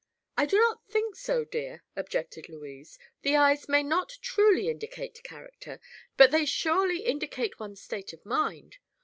"I do not think so, dear," objected Louise. "The eyes may not truly indicate character, but they surely indicate one's state of mind.